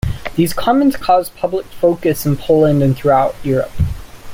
These comments caused public focus in Poland and throughout Europe.